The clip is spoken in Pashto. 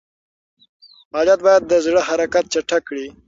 فعالیت باید د زړه حرکت چټک کړي.